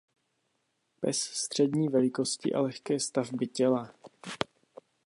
Pes střední velikosti a lehké stavby těla.